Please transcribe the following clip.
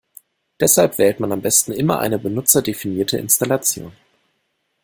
Deshalb wählt man am besten immer eine benutzerdefinierte Installation.